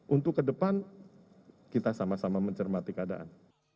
untuk ke depan kita sama sama mencermati keadaan